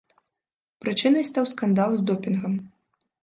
Прычынай стаў скандал з допінгам.